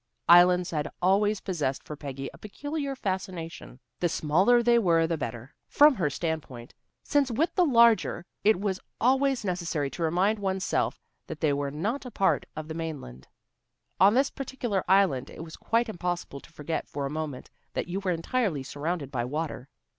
Islands had always possessed for Peggy a peculiar fascination. The smaller they were the better, from her standpoint, since with the larger it was always necessary to remind one's self that they were not a part of the mainland. On this particular island it was quite impossible to forget for a moment that you were entirely surrounded by water.